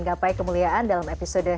gapai kemuliaan dalam episode